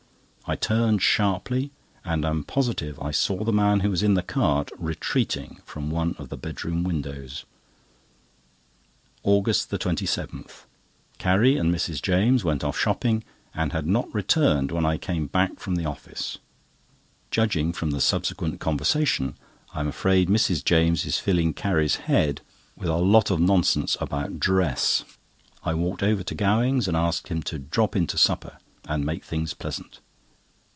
I turned sharply, and am positive I saw the man who was in the cart retreating from one of the bedroom windows. AUGUST 27.—Carrie and Mrs. James went off shopping, and had not returned when I came back from the office. Judging from the subsequent conversation, I am afraid Mrs. James is filling Carrie's head with a lot of nonsense about dress. I walked over to Gowing's and asked him to drop in to supper, and make things pleasant.